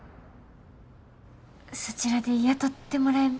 そちらで雇ってもらえ。